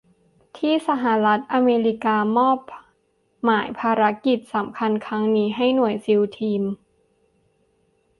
ที่สหรัฐอเมริกามอบหมายภารกิจสำคัญครั้งนี้ให้หน่วยซีลทีม